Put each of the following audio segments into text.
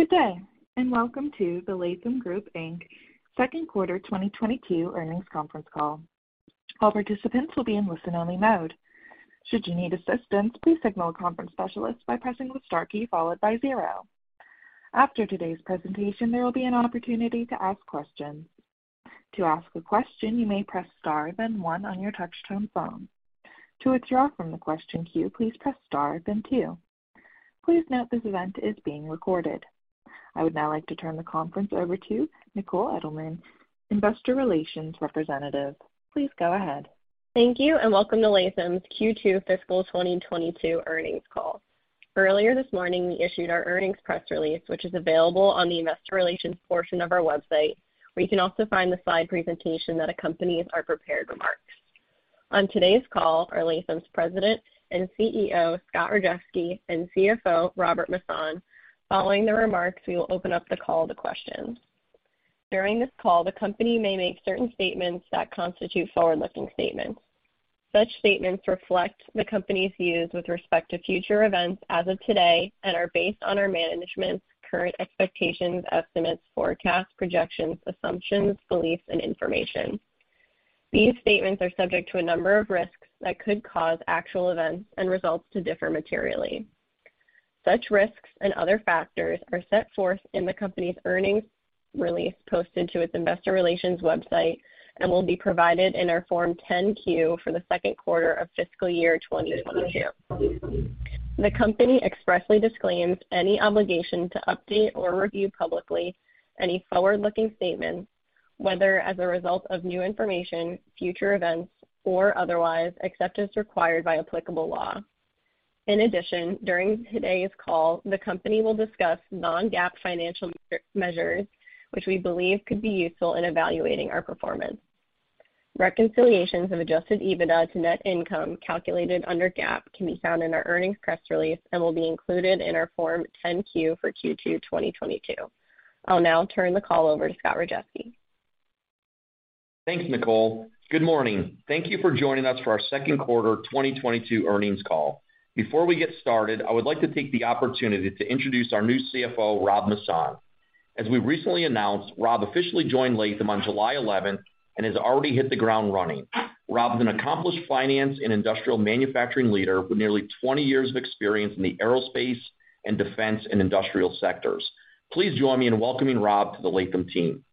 Good day, and welcome to the Latham Group, Inc. Q2 2022 Earnings Conference Call. All participants will be in listen-only mode. Should you need assistance, please signal a conference specialist by pressing the star key followed by zero. After today's presentation, there will be an opportunity to ask questions. To ask a question, you may press star, then one on your touchtone phone. To withdraw from the question queue, please press star then two. Please note this event is being recorded. I would now like to turn the conference over to Nicole Edelman, Investor Relations Representative. Please go ahead. Thank you, and welcome to Latham's Q2 Fiscal 2022 Earnings Call. Earlier this morning, we issued our earnings press release, which is available on the investor relations portion of our website, where you can also find the slide presentation that accompanies our prepared remarks. On today's call are Latham's President and CEO, Scott Rajeski, and CFO, Robert Masson. Following the remarks, we will open up the call to questions. During this call, the company may make certain statements that constitute forward-looking statements. Such statements reflect the company's views with respect to future events as of today and are based on our management's current expectations, estimates, forecasts, projections, assumptions, beliefs, and information. These statements are subject to a number of risks that could cause actual events and results to differ materially. Such risks and other factors are set forth in the company's earnings release posted to its investor relations website and will be provided in our Form 10-Q for the Q2 of fiscal year 2022. The company expressly disclaims any obligation to update or review publicly any forward-looking statements, whether as a result of new information, future events, or otherwise, except as required by applicable law. In addition, during today's call, the company will discuss non-GAAP financial measures, which we believe could be useful in evaluating our performance. Reconciliations of adjusted EBITDA to net income calculated under GAAP can be found in our earnings press release and will be included in our Form 10-Q for Q2 2022. I'll now turn the call over to Scott Rajeski. Thanks, Nicole. Good morning. Thank you for joining us for our Q2 2022 earnings call. Before we get started, I would like to take the opportunity to introduce our new CFO, Rob Masson. As we recently announced, Rob officially joined Latham on July 11 and has already hit the ground running. Rob is an accomplished finance and industrial manufacturing leader with nearly 20 years of experience in the aerospace and defense and industrial sectors. Please join me in welcoming Rob to the Latham team.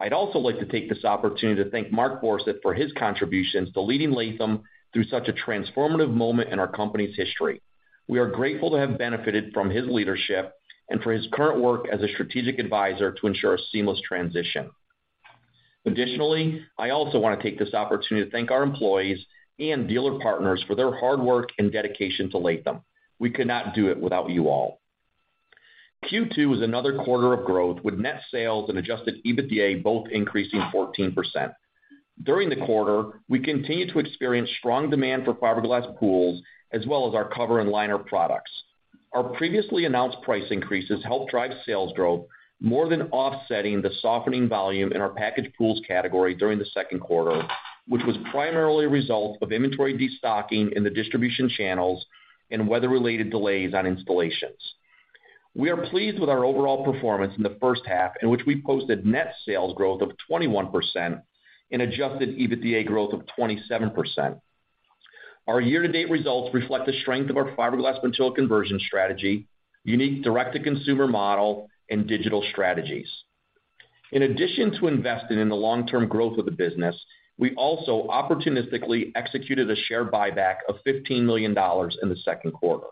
I'd also like to take this opportunity to thank Mark Borseth for his contributions to leading Latham through such a transformative moment in our company's history. We are grateful to have benefited from his leadership and for his current work as a strategic advisor to ensure a seamless transition. Additionally, I also want to take this opportunity to thank our employees and dealer partners for their hard work and dedication to Latham. We could not do it without you all. Q2 was another quarter of growth, with net sales and adjusted EBITDA both increasing 14%. During the quarter, we continued to experience strong demand for fiberglass pools as well as our cover and liner products. Our previously announced price increases helped drive sales growth more than offsetting the softening volume in our packaged pools category during the Q2, which was primarily a result of inventory destocking in the distribution channels and weather-related delays on installations. We are pleased with our overall performance in the H1 in which we posted net sales growth of 21% and adjusted EBITDA growth of 27%. Our year-to-date results reflect the strength of our fiberglass vinyl conversion strategy, unique direct-to-consumer model, and digital strategies. In addition to investing in the long-term growth of the business, we also opportunistically executed a share buyback of $15 million in the Q2.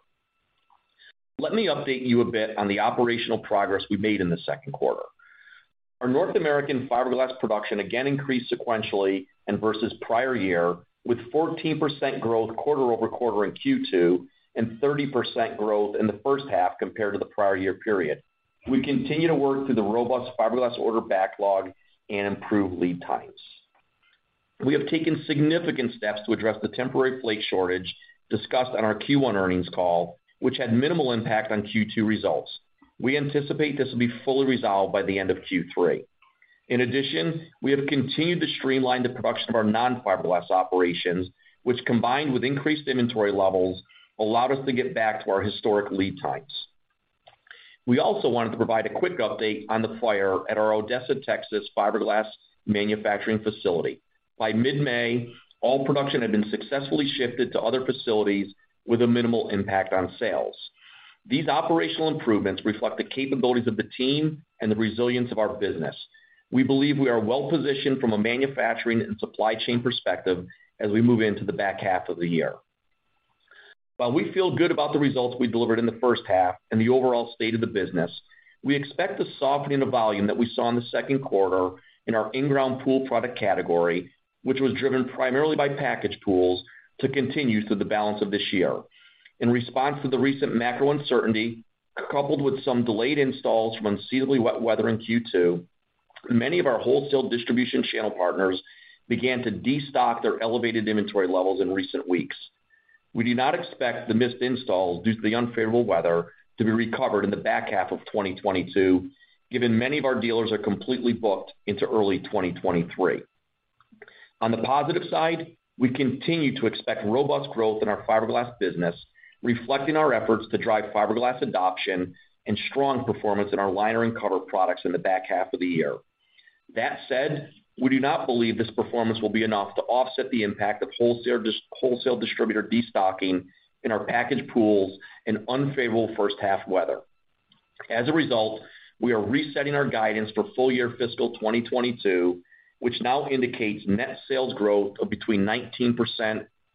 Let me update you a bit on the operational progress we made in the Q2. Our North American fiberglass production again increased sequentially and versus prior year, with 14% growth quarter-over-quarter in Q2 and 30% growth in the H1 compared to the prior year period. We continue to work through the robust fiberglass order backlog and improve lead times. We have taken significant steps to address the temporary flake shortage discussed on our Q1 earnings call, which had minimal impact on Q2 results. We anticipate this will be fully resolved by the end of Q3. In addition, we have continued to streamline the production of our non-fiberglass operations, which combined with increased inventory levels allowed us to get back to our historic lead times. We also wanted to provide a quick update on the fire at our Odessa, Texas, fiberglass manufacturing facility. By mid-May, all production had been successfully shifted to other facilities with a minimal impact on sales. These operational improvements reflect the capabilities of the team and the resilience of our business. We believe we are well positioned from a manufacturing and supply chain perspective as we move into the back half of the year. While we feel good about the results we delivered in the H1 and the overall state of the business, we expect the softening of volume that we saw in the Q2 in our in-ground pool product category, which was driven primarily by packaged pools, to continue through the balance of this year. In response to the recent macro uncertainty, coupled with some delayed installs from unseasonably wet weather in Q2, many of our wholesale distribution channel partners began to destock their elevated inventory levels in recent weeks. We do not expect the missed installs due to the unfavorable weather to be recovered in the back half of 2022, given many of our dealers are completely booked into early 2023. On the positive side, we continue to expect robust growth in our fiberglass business, reflecting our efforts to drive fiberglass adoption and strong performance in our liner and cover products in the back half of the year. That said, we do not believe this performance will be enough to offset the impact of wholesale distributor destocking in our packaged pools and unfavorable H1 weather. As a result, we are resetting our guidance for full year fiscal 2022, which now indicates net sales growth of between 19%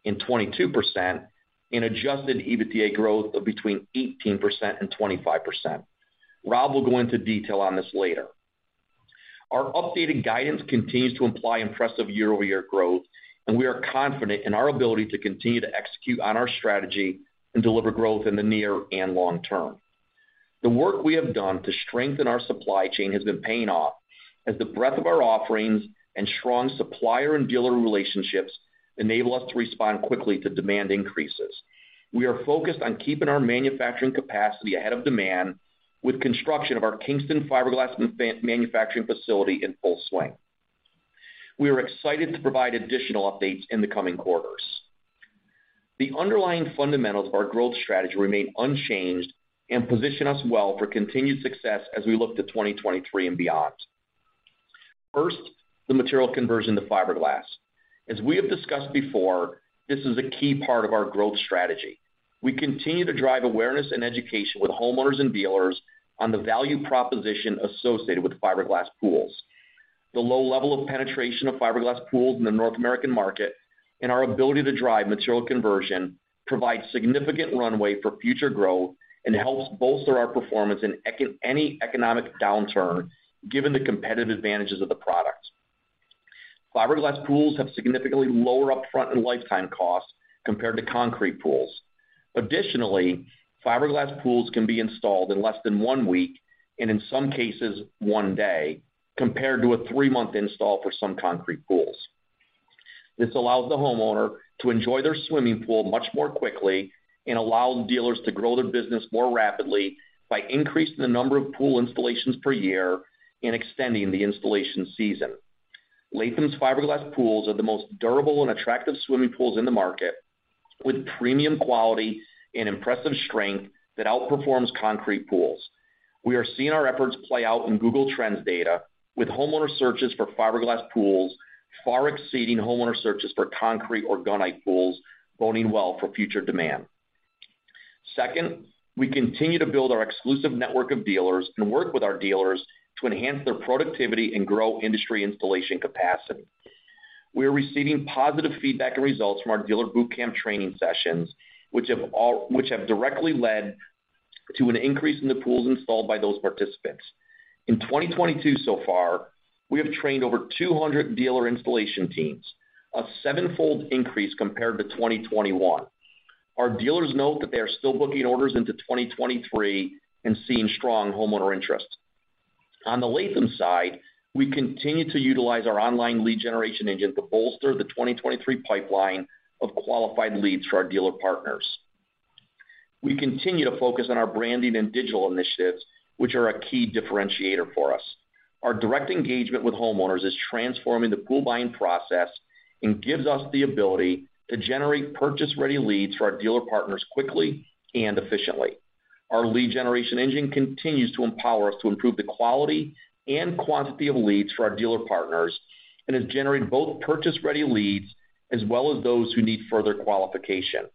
and 22% and adjusted EBITDA growth of between 18% and 25%. Rob will go into detail on this later. Our updated guidance continues to imply impressive year-over-year growth, and we are confident in our ability to continue to execute on our strategy and deliver growth in the near and long term. The work we have done to strengthen our supply chain has been paying off as the breadth of our offerings and strong supplier and dealer relationships enable us to respond quickly to demand increases. We are focused on keeping our manufacturing capacity ahead of demand with construction of our Kingston fiberglass manufacturing facility in full swing. We are excited to provide additional updates in the coming quarters. The underlying fundamentals of our growth strategy remain unchanged and position us well for continued success as we look to 2023 and beyond. First, the material conversion to fiberglass. As we have discussed before, this is a key part of our growth strategy. We continue to drive awareness and education with homeowners and dealers on the value proposition associated with fiberglass pools. The low level of penetration of fiberglass pools in the North American market and our ability to drive material conversion provides significant runway for future growth and helps bolster our performance in any economic downturn, given the competitive advantages of the product. Fiberglass pools have significantly lower upfront and lifetime costs compared to concrete pools. Additionally, fiberglass pools can be installed in less than one week, and in some cases, one day, compared to a three-month install for some concrete pools. This allows the homeowner to enjoy their swimming pool much more quickly and allows dealers to grow their business more rapidly by increasing the number of pool installations per year and extending the installation season. Latham's fiberglass pools are the most durable and attractive swimming pools in the market, with premium quality and impressive strength that outperforms concrete pools. We are seeing our efforts play out in Google Trends data, with homeowner searches for fiberglass pools far exceeding homeowner searches for concrete or gunite pools, boding well for future demand. Second, we continue to build our exclusive network of dealers and work with our dealers to enhance their productivity and grow industry installation capacity. We are receiving positive feedback and results from our dealer boot camp training sessions, which have directly led to an increase in the pools installed by those participants. In 2022 so far, we have trained over 200 dealer installation teams, a seven-fold increase compared to 2021. Our dealers note that they are still booking orders into 2023 and seeing strong homeowner interest. On the Latham side, we continue to utilize our online lead generation engine to bolster the 2023 pipeline of qualified leads for our dealer partners. We continue to focus on our branding and digital initiatives, which are a key differentiator for us. Our direct engagement with homeowners is transforming the pool buying process and gives us the ability to generate purchase-ready leads for our dealer partners quickly and efficiently. Our lead generation engine continues to empower us to improve the quality and quantity of leads for our dealer partners and has generated both purchase-ready leads as well as those who need further qualification.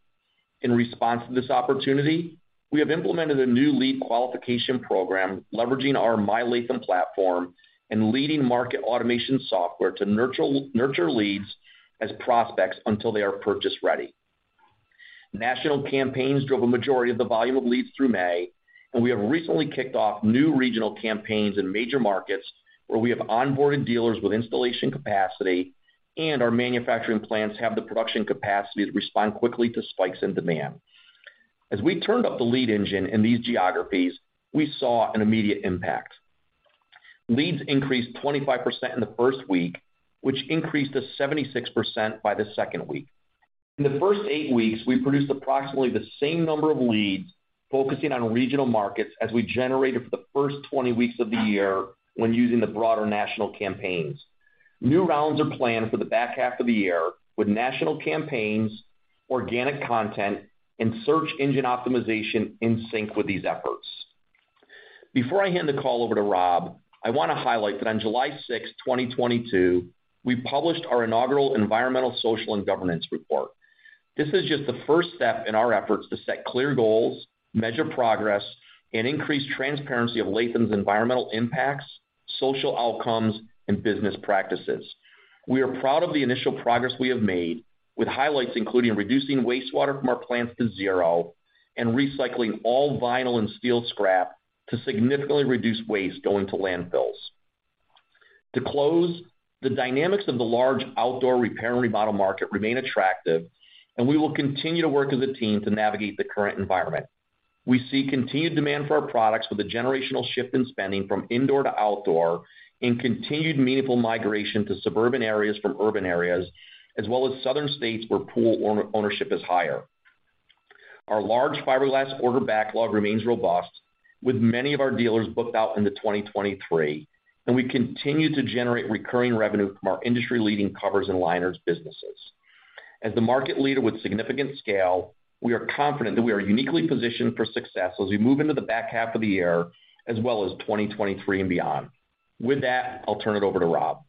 In response to this opportunity, we have implemented a new lead qualification program leveraging our My Latham platform and leading market automation software to nurture leads as prospects until they are purchase ready. National campaigns drove a majority of the volume of leads through May, and we have recently kicked off new regional campaigns in major markets where we have onboarded dealers with installation capacity, and our manufacturing plants have the production capacity to respond quickly to spikes in demand. As we turned up the lead engine in these geographies, we saw an immediate impact. Leads increased 25% in the first week, which increased to 76% by the second week. In the first 8 weeks, we produced approximately the same number of leads focusing on regional markets as we generated for the first 20 weeks of the year when using the broader national campaigns. New rounds are planned for the back half of the year with national campaigns, organic content, and search engine optimization in sync with these efforts. Before I hand the call over to Rob, I want to highlight that on July 6, 2022, we published our inaugural environmental, social, and governance report. This is just the first step in our efforts to set clear goals, measure progress, and increase transparency of Latham's environmental impacts, social outcomes, and business practices. We are proud of the initial progress we have made with highlights including reducing wastewater from our plants to zero and recycling all vinyl and steel scrap to significantly reduce waste going to landfills. To close, the dynamics of the large outdoor repair and remodel market remain attractive, and we will continue to work as a team to navigate the current environment. We see continued demand for our products with a generational shift in spending from indoor to outdoor and continued meaningful migration to suburban areas from urban areas, as well as southern states where pool ownership is higher. Our large fiberglass order backlog remains robust, with many of our dealers booked out into 2023, and we continue to generate recurring revenue from our industry-leading covers and liners businesses. As the market leader with significant scale, we are confident that we are uniquely positioned for success as we move into the back half of the year, as well as 2023 and beyond. With that, I'll turn it over to Rob.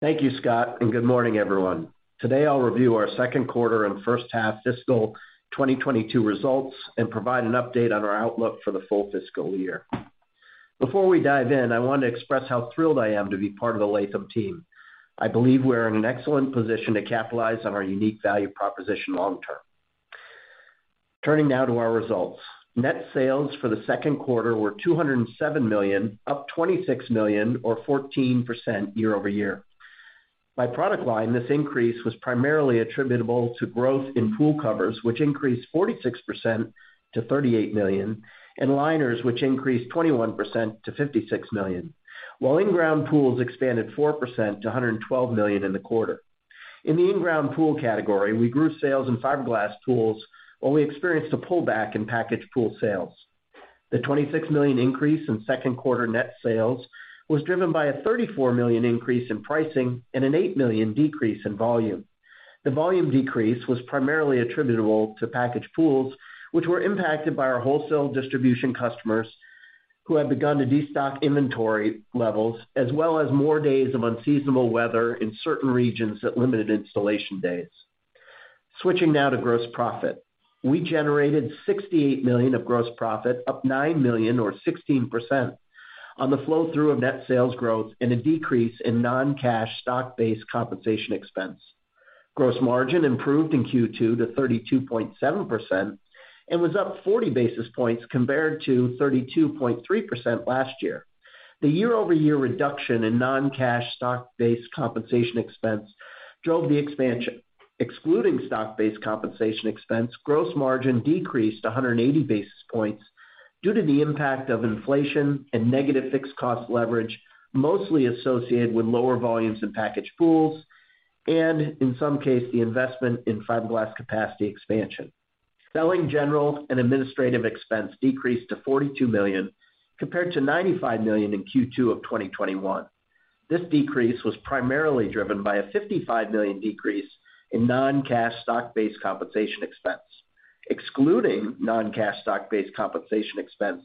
Thank you, Scott, and good morning, everyone. Today, I'll review our Q2 and H1 fiscal 2022 results and provide an update on our outlook for the full fiscal year. Before we dive in, I want to express how thrilled I am to be part of the Latham team. I believe we're in an excellent position to capitalize on our unique value proposition long term. Turning now to our results. Net sales for the Q2 were $207 million, up $26 million or 14% year-over-year. By product line, this increase was primarily attributable to growth in pool covers, which increased 46% to $38 million, and liners, which increased 21% to $56 million. While in-ground pools expanded 4% to $112 million in the quarter. In the in-ground pool category, we grew sales in fiberglass pools, while we experienced a pullback in packaged pool sales. The $26 million increase in Q2 net sales was driven by a $34 million increase in pricing and an $8 million decrease in volume. The volume decrease was primarily attributable to packaged pools, which were impacted by our wholesale distribution customers who have begun to destock inventory levels, as well as more days of unseasonable weather in certain regions that limited installation days. Switching now to gross profit. We generated $68 million of gross profit, up $9 million or 16% on the flow-through of net sales growth and a decrease in non-cash stock-based compensation expense. Gross margin improved in Q2 to 32.7% and was up 40 basis points compared to 32.3% last year. The year-over-year reduction in non-cash stock-based compensation expense drove the expansion. Excluding stock-based compensation expense, gross margin decreased 180 basis points due to the impact of inflation and negative fixed cost leverage, mostly associated with lower volumes in packaged pools and in some case, the investment in fiberglass capacity expansion. Selling, general, and administrative expense decreased to $42 million, compared to $95 million in Q2 of 2021. This decrease was primarily driven by a $55 million decrease in non-cash stock-based compensation expense. Excluding non-cash stock-based compensation expense,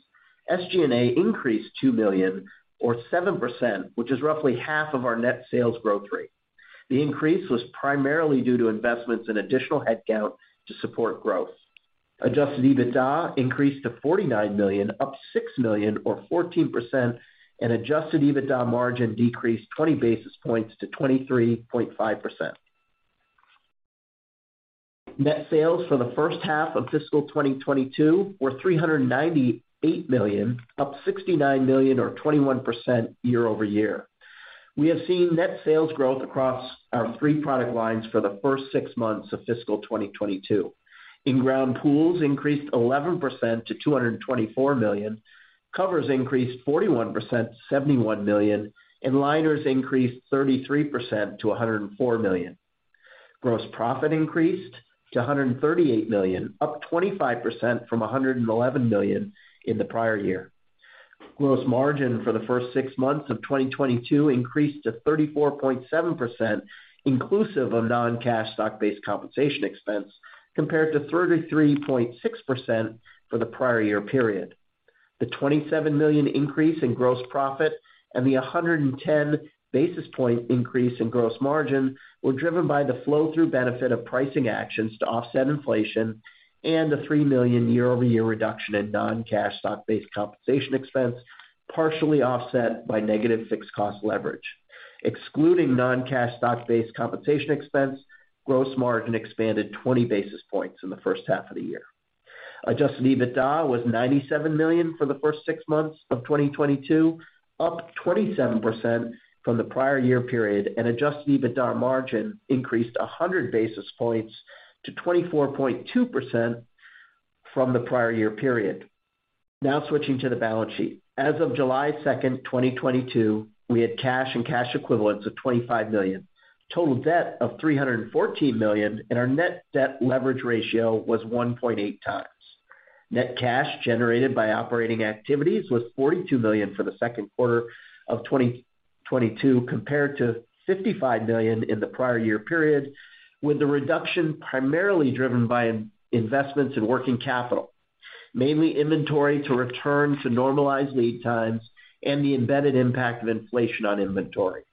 SG&A increased $2 million or 7%, which is roughly half of our net sales growth rate. The increase was primarily due to investments in additional headcount to support growth. Adjusted EBITDA increased to $49 million, up $6 million or 14%, and adjusted EBITDA margin decreased 20 basis points to 23.5%. Net sales for the H1 of fiscal 2022 were $398 million, up $69 million or 21% year-over-year. We have seen net sales growth across our three product lines for the first six months of fiscal 2022. In-ground pools increased 11% to $224 million, covers increased 41% to $71 million, and liners increased 33% to $104 million. Gross profit increased to $138 million, up 25% from $111 million in the prior year. Gross margin for the first six months of 2022 increased to 34.7%, inclusive of non-cash stock-based compensation expense, compared to 33.6% for the prior year period. The $27 million increase in gross profit and the 110 basis point increase in gross margin were driven by the flow-through benefit of pricing actions to offset inflation and the $3 million year-over-year reduction in non-cash stock-based compensation expense, partially offset by negative fixed cost leverage. Excluding non-cash stock-based compensation expense, gross margin expanded 20 basis points in the H1 of the year. Adjusted EBITDA was $97 million for the first six months of 2022, up 27% from the prior year period, and adjusted EBITDA margin increased 100 basis points to 24.2% from the prior year period. Now switching to the balance sheet. As of July 2, 2022, we had cash and cash equivalents of $25 million, total debt of $314 million, and our net debt leverage ratio was 1.8x. Net cash generated by operating activities was $42 million for the Q2 of 2022, compared to $55 million in the prior year period, with the reduction primarily driven by investments in working capital, mainly inventory to return to normalized lead times and the embedded impact of inflation on inventory.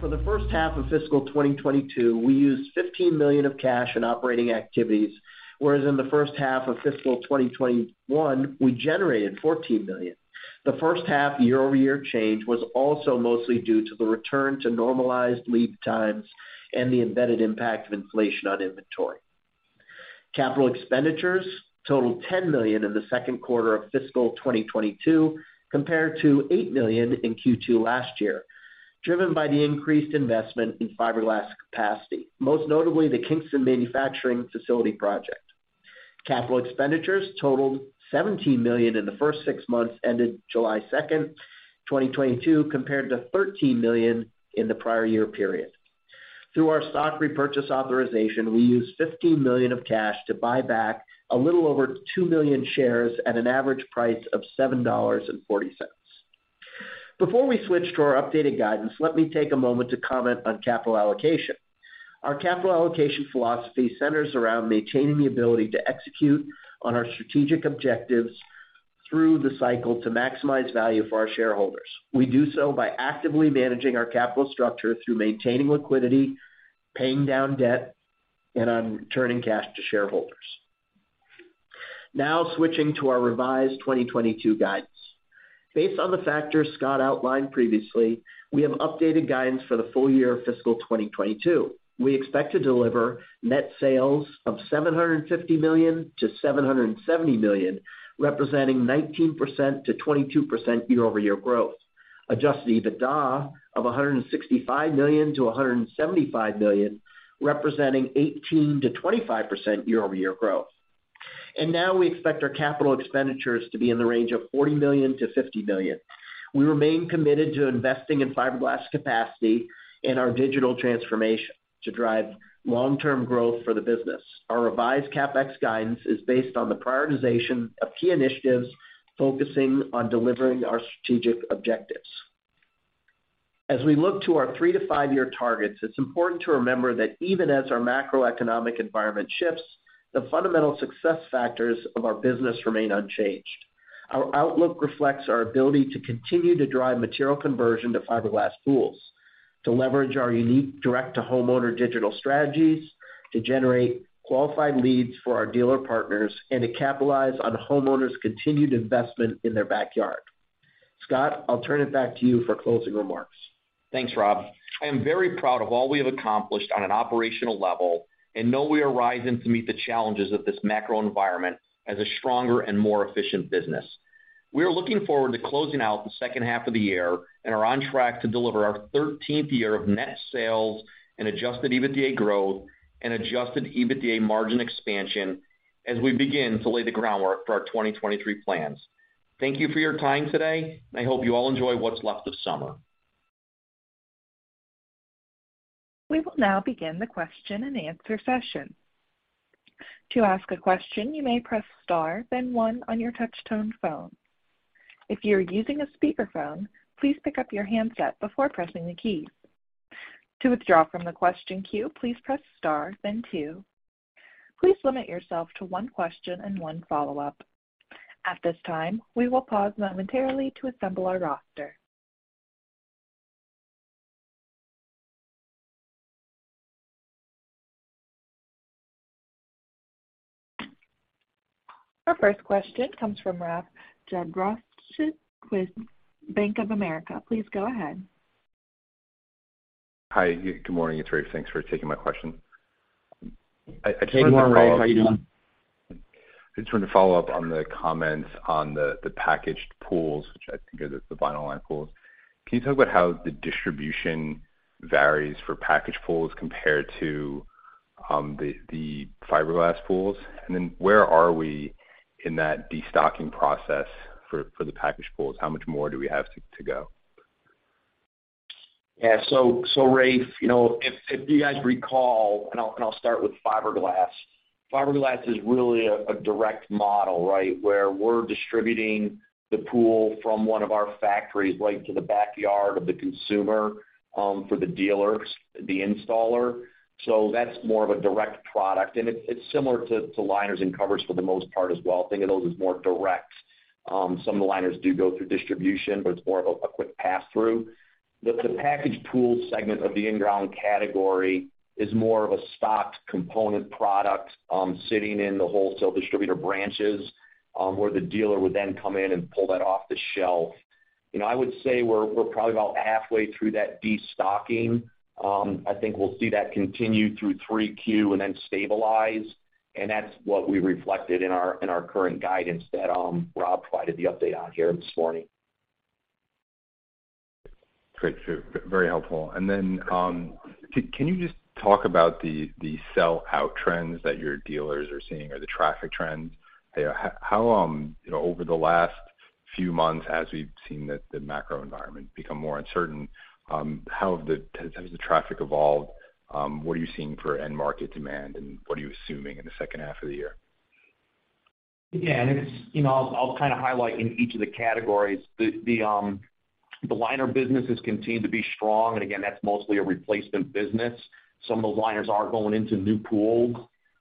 For the H1 of fiscal 2022, we used $15 million of cash in operating activities, whereas in the H1 of fiscal 2021, we generated $14 million. The H1 year-over-year change was also mostly due to the return to normalized lead times and the embedded impact of inflation on inventory. Capital expenditures totaled $10 million in the Q2 of fiscal 2022, compared to $8 million in Q2 last year, driven by the increased investment in fiberglass capacity, most notably the Kingston manufacturing facility project. Capital expenditures totaled $17 million in the first six months ended July 2, 2022, compared to $13 million in the prior year period. Through our stock repurchase authorization, we used $15 million of cash to buy back a little over 2 million shares at an average price of $7.40. Before we switch to our updated guidance, let me take a moment to comment on capital allocation. Our capital allocation philosophy centers around maintaining the ability to execute on our strategic objectives through the cycle to maximize value for our shareholders. We do so by actively managing our capital structure through maintaining liquidity, paying down debt, and on returning cash to shareholders. Now, switching to our revised 2022 guidance. Based on the factors Scott outlined previously, we have updated guidance for the Full Year fiscal 2022. We expect to deliver net sales of $750 million-$770 million, representing 19%-22% year-over-year growth. Adjusted EBITDA of $165 million-$175 million, representing 18%-25% year-over-year growth. Now we expect our capital expenditures to be in the range of $40 million-$50 million. We remain committed to investing in fiberglass capacity and our digital transformation to drive long-term growth for the business. Our revised CapEx guidance is based on the prioritization of key initiatives focusing on delivering our strategic objectives. As we look to our 3-5 year targets, it's important to remember that even as our macroeconomic environment shifts, the fundamental success factors of our business remain unchanged. Our outlook reflects our ability to continue to drive material conversion to fiberglass pools, to leverage our unique direct-to-homeowner digital strategies, to generate qualified leads for our dealer partners, and to capitalize on homeowners' continued investment in their backyard. Scott, I'll turn it back to you for closing remarks. Thanks, Rob. I am very proud of all we have accomplished on an operational level and know we are rising to meet the challenges of this macro environment as a stronger and more efficient business. We are looking forward to closing out the H2 of the year and are on track to deliver our thirteenth year of net sales and adjusted EBITDA growth and adjusted EBITDA margin expansion as we begin to lay the groundwork for our 2023 plans. Thank you for your time today, and I hope you all enjoy what's left of summer. We will now begin the question-and-answer session. To ask a question, you may press star then one on your touch-tone phone. If you are using a speakerphone, please pick up your handset before pressing the keys. To withdraw from the question queue, please press star then two. Please limit yourself to one question and one follow-up. At this time, we will pause momentarily to assemble our roster. Our first question comes from Rafe Jadrosich with Bank of America. Please go ahead. Hi, good morning. It's Rafe. Thanks for taking my question. Good morning, Rafe. How are you doing? I just wanted to follow up on the comments on the packaged pools, which I think are the vinyl liner pools. Can you talk about how the distribution varies for packaged pools compared to the fiberglass pools? Where are we in that destocking process for the packaged pools? How much more do we have to go? Rafe, you know, if you guys recall, and I'll start with fiberglass. Fiberglass is really a direct model, right? Where we're distributing the pool from one of our factories right to the backyard of the consumer for the dealers, the installer. That's more of a direct product, and it's similar to liners and covers for the most part as well. Think of those as more direct. Some of the liners do go through distribution, but it's more of a quick pass-through. The packaged pool segment of the in-ground category is more of a stocked component product sitting in the wholesale distributor branches, where the dealer would then come in and pull that off the shelf. You know, I would say we're probably about halfway through that destocking. I think we'll see that continue through Q3 and then stabilize. That's what we reflected in our current guidance that Rob provided the update on here this morning. Great. Sure. Very helpful. Then, can you just talk about the sellout trends that your dealers are seeing or the traffic trends? How, you know, over the last few months as we've seen the macro environment become more uncertain, how has the traffic evolved? What are you seeing for end market demand, and what are you assuming in the H2 of the year? Yeah. It's, you know, I'll highlight in each of the categories. The liner business has continued to be strong, and again, that's mostly a replacement business. Some of those liners are going into new pools,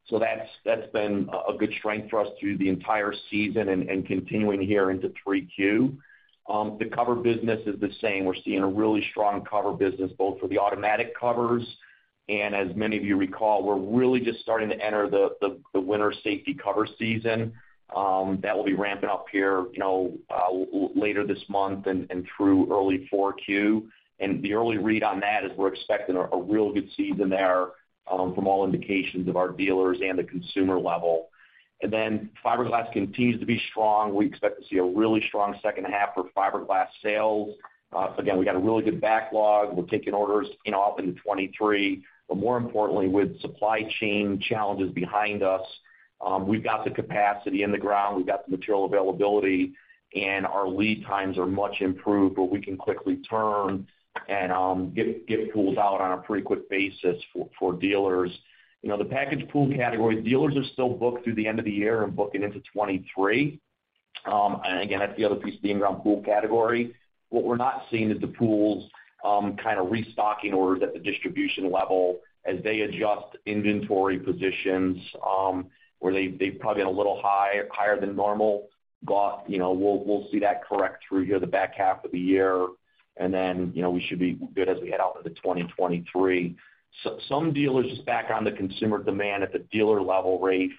so that's been a good strength for us through the entire season and continuing here into Q3. The cover business is the same. We're seeing a really strong cover business both for the automatic covers, and as many of you recall, we're really just starting to enter the winter safety cover season that will be ramping up here, you know, later this month and through early Q4. The early read on that is we're expecting a real good season there from all indications of our dealers and the consumer level. Fiberglass continues to be strong. We expect to see a really strong H2 for fiberglass sales. We got a really good backlog. We're taking orders, you know, off into 2023. More importantly, with supply chain challenges behind us, we've got the capacity in the ground. We've got the material availability, and our lead times are much improved, but we can quickly turn and get pools out on a pretty quick basis for dealers. You know, the packaged pool category, dealers are still booked through the end of the year and booking into 2023. Again, that's the other piece of the in-ground pool category. What we're not seeing is the pools restocking orders at the distribution level as they adjust inventory positions, where they've probably been a little higher than normal. You know, we'll see that correct through here the back half of the year. Then, you know, we should be good as we head out into 2023. Some dealers just back on the consumer demand at the dealer level, Rafe.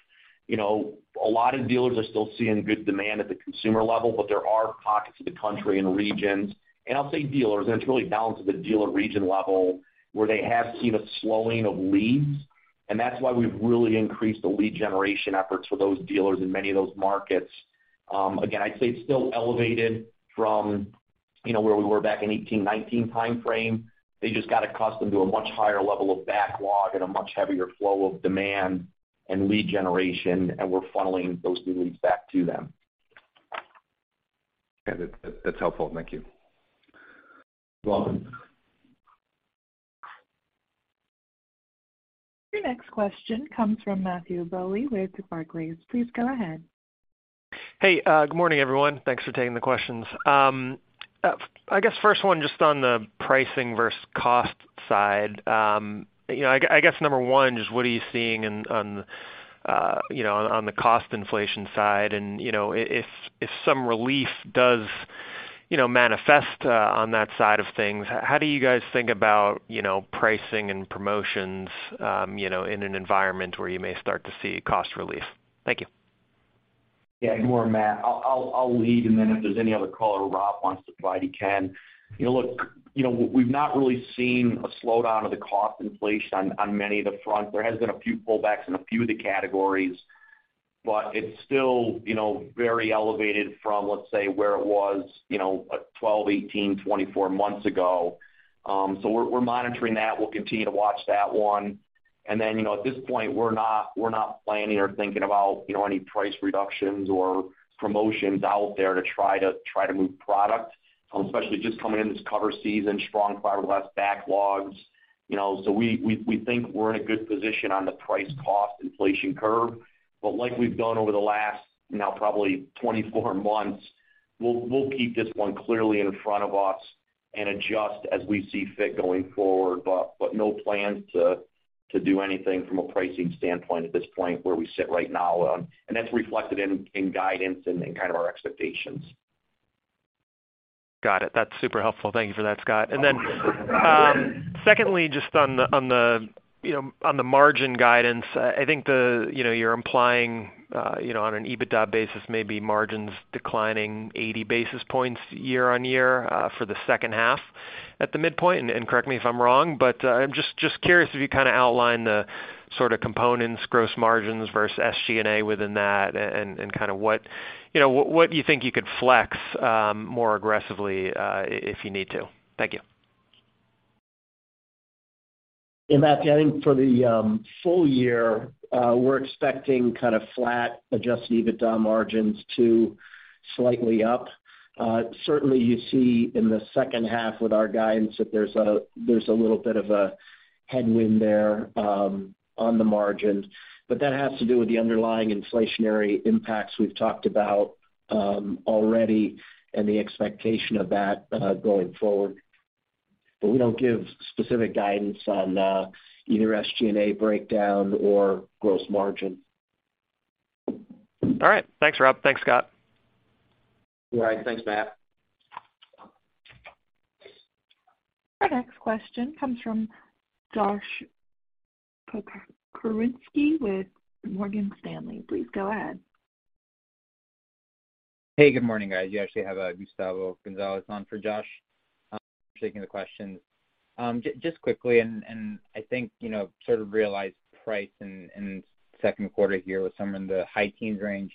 You know, a lot of dealers are still seeing good demand at the consumer level, but there are pockets of the country and regions. I'll say dealers, and it's really down to the dealer region level where they have seen a slowing of leads. That's why we've really increased the lead generation efforts for those dealers in many of those markets. Again, I'd say it's still elevated from, you know, where we were back in 2018-2019 timeframe. They just got accustomed to a much higher level of backlog and a much heavier flow of demand and lead generation, and we're funneling those new leads back to them. Okay. That, that's helpful. Thank you. You're welcome. Your next question comes from Matthew Bouley with Barclays. Please go ahead. Hey, good morning, everyone. Thanks for taking the questions. I guess first one just on the pricing versus cost side. You know, I guess number one, just what are you seeing in, on, you know, on the cost inflation side? You know, if some relief does, you know, manifest on that side of things, how do you guys think about, you know, pricing and promotions, you know, in an environment where you may start to see cost relief? Thank you. Yeah. Good morning, Matt. I'll lead, and then if there's any other color Rob wants to provide, he can. You know, look, you know, we've not really seen a slowdown of the cost inflation on many of the fronts. There has been a few pullbacks in a few of the categories, but it's still, you know, very elevated from, let's say, where it was, you know, 12, 18, 24 months ago. So we're monitoring that. We'll continue to watch that one. Then, you know, at this point, we're not planning or thinking about, you know, any price reductions or promotions out there to try to move product, especially just coming into this cover season, strong fiberglass backlogs. You know, so we think we're in a good position on the price cost inflation curve. Like we've done over the last now probably 24 months, we'll keep this one clearly in front of us and adjust as we see fit going forward. No plans to do anything from a pricing standpoint at this point where we sit right now. That's reflected in guidance and in our expectations. Got it. That's super helpful. Thank you for that, Scott. Secondly, just on the margin guidance, I think you're implying, you know, on an EBITDA basis, maybe margins declining 80 basis points year-on-year for the H2 at the midpoint, and correct me if I'm wrong. I'm just curious if you outline the components, gross margins versus SG&A within that and what, you know, what you think you could flex more aggressively if you need to. Thank you. Yeah, Matt, I think for the Full Year, we're expecting flat adjusted EBITDA margins to slightly up. Certainly you see in the H2 with our guidance that there's a little bit of a headwind there on the margins. That has to do with the underlying inflationary impacts we've talked about already and the expectation of that going forward. We don't give specific guidance on either SG&A breakdown or gross margin. All right. Thanks, Rob. Thanks, Scott. All right. Thanks, Matt. Our next question comes from Josh Pokrzywinski with Morgan Stanley. Please go ahead. Hey, good morning, guys. You actually have Gustavo Gonzalez on for Josh taking the questions. Just quickly, I think realized price in Q2 here was somewhere in the high teens range.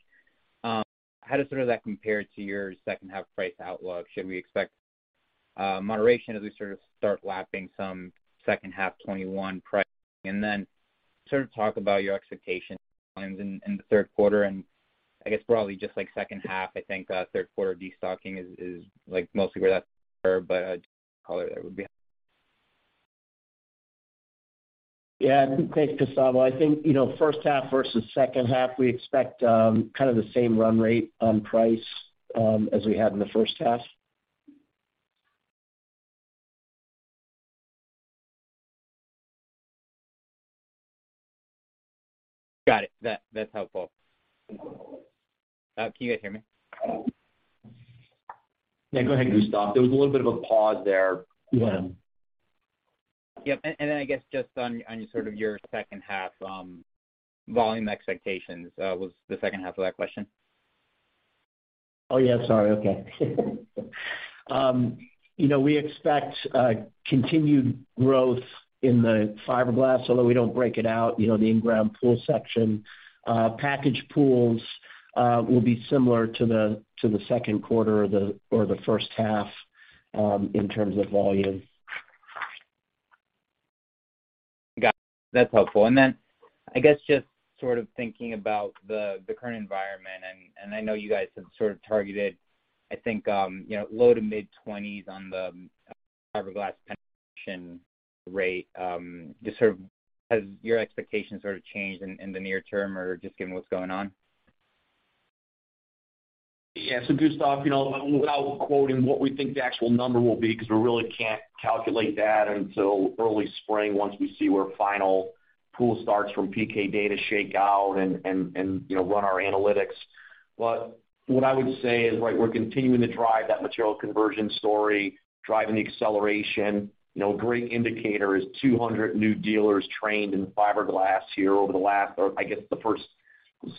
How does that compare to your H2 price outlook? Should we expect moderation as we start lapping some H2 2021 pricing? Talk about your expectations in the Q3 and I guess broadly just like H2. I think Q3 destocking is like mostly where that's for, but just color there would be helpful. Yeah. Thanks, Gustavo. I think, you know, H1 versus H2, we expect the same run rate on price as we had in the H1. Got it. That's helpful. Can you guys hear me? Yeah, go ahead, Gustavo. There was a little bit of a pause there. Yep. I guess just on your H2 volume expectations was the H2 of that question. You know, we expect continued growth in the fiberglass, although we don't break it out, you know, the in-ground pool section. Packaged pools will be similar to the Q2 or the H1 in terms of volume. Got it. That's helpful. I guess just thinking about the current environment, and I know you guys have targeted, I think, you know, low to mid-20s on the fiberglass penetration rate, just has your expectations changed in the near term or just given what's going on? Yeah. Gustavo, you know, without quoting what we think the actual number will be because we really can't calculate that until early spring once we see where final pool starts from PK Data shakeout and, you know, run our analytics. What I would say is, right, we're continuing to drive that material conversion story, driving the acceleration. You know, a great indicator is 200 new dealers trained in fiberglass here over the last, or I guess, the first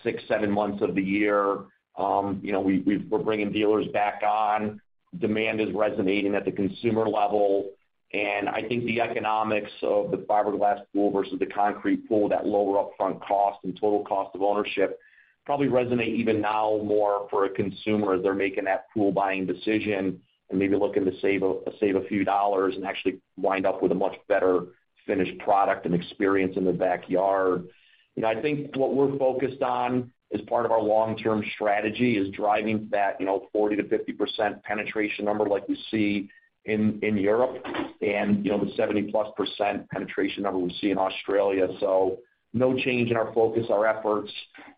6, 7 months of the year. You know, we're bringing dealers back on. Demand is resonating at the consumer level. I think the economics of the fiberglass pool versus the concrete pool, that lower upfront cost and total cost of ownership probably resonate even now more for a consumer as they're making that pool buying decision and maybe looking to save a few dollars and actually wind up with a much better finished product and experience in their backyard. You know, I think what we're focused on as part of our long-term strategy is driving that, you know, 40%-50% penetration number like we see in Europe and, you know, the 70+% penetration number we see in Australia. No change in our focus, our efforts,